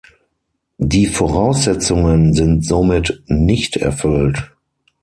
Die Voraussetzungen sind somit nicht erfüllt.